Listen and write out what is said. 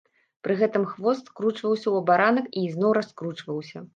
Пры гэтым хвост скручваўся ў абаранак і зноў раскручваўся.